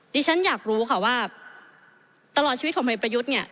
ฉันอยากรู้ค่ะว่าตลอดชีวิตของพลเอกประยุทธ์เนี่ย